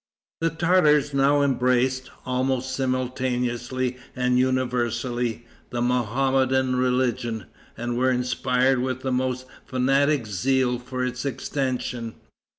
The Tartars now embraced, almost simultaneously and universally, the Mohammedan religion, and were inspired with the most fanatic zeal for its extension.